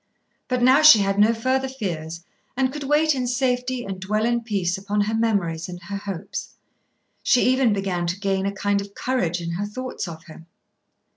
But now she had no further fears, and could wait in safety and dwell in peace upon her memories and her hopes. She even began to gain a kind of courage in her thoughts of him.